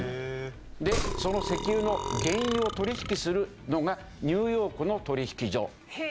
でその石油の原油を取引するのがニューヨークの取引所。